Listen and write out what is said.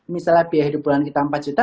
misalnya biaya hidup bulanan kita rp empat juta